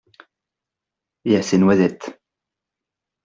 Et à ses noisettes.